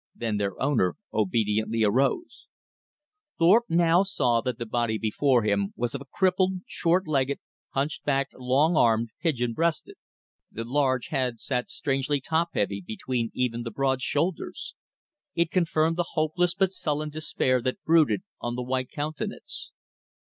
Then their owner obediently arose. Thorpe now saw that the body before him was of a cripple, short legged, hunch backed, long armed, pigeon breasted. The large head sat strangely top heavy between even the broad shoulders. It confirmed the hopeless but sullen despair that brooded on the white countenance.